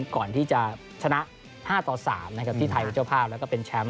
ก่อนที่จะชนะ๕ต่อ๓นะครับที่ไทยเป็นเจ้าภาพแล้วก็เป็นแชมป์